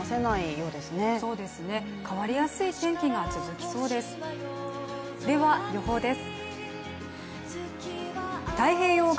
そうですね、変わりやすい天気が続きそうです、では予報です。